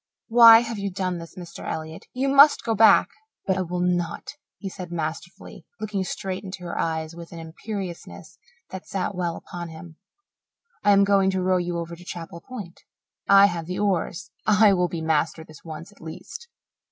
"Why have you done this, Mr. Elliott? You must go back." "But I will not," he said masterfully, looking straight into her eyes with an imperiousness that sat well upon him. "I am going to row you over to Chapel Point. I have the oars I will be master this once, at least."